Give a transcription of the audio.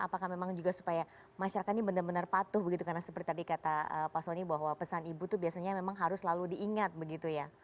apakah memang juga supaya masyarakat ini benar benar patuh begitu karena seperti tadi kata pak soni bahwa pesan ibu itu biasanya memang harus selalu diingat begitu ya